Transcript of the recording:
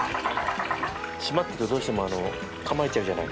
島っていうと、どうしても構えちゃうじゃない？